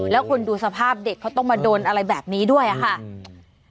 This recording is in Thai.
แล้วคุณดูสภาพเด็กเขาต้องมาโดนอะไรแบบนี้ด้วยอ่ะค่ะอืม